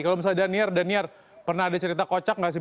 kalau misalnya danier daniar pernah ada cerita kocak nggak sih